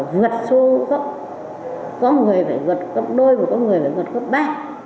có người phải vượt gấp đôi và có người phải vượt gấp ba